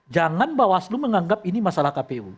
jangan bawaslu menganggap ini masalah kpu